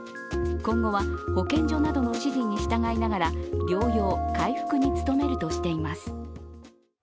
今後は保健所などの指示に従いながら療養・回復に努めるとしています。